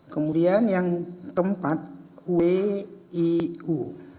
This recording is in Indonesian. kemudian yang keempat wiu